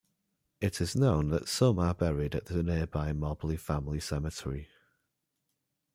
It is known that some are buried at the nearby Mobley family cemetery.